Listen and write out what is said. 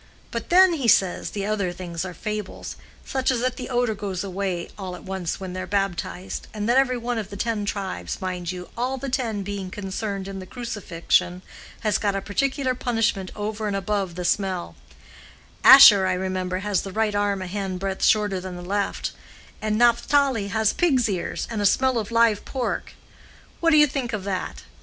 But then, he says, the other things are fables, such as that the odor goes away all at once when they're baptized, and that every one of the ten tribes, mind you, all the ten being concerned in the crucifixion, has got a particular punishment over and above the smell:—Asher, I remember, has the right arm a handbreadth shorter than the left, and Naphthali has pig's ears and a smell of live pork. What do you think of that?